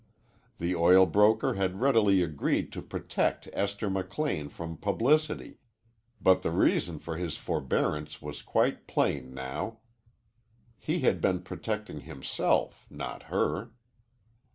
The oil broker had readily agreed to protect Esther McLean from publicity, but the reason for his forbearance was quite plain now. He had been protecting himself, not her.